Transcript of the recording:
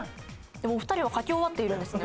お二人は書き終わっているんですね